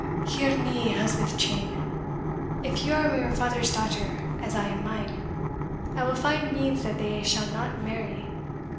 Hear me, Elspeth Cheyne! if you are your father's daughter as I am mine, I will find means that they shall not marry.